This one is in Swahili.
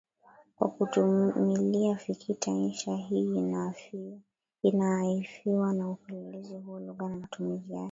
kwa kutumilia fikita Insha hii inaaiifiwa na upelelezi huo Iugha na matumizi yake